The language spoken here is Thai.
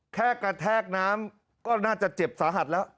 แค่กระแทกน้ำก็น่าจะเจ็บสาหัสแล้ว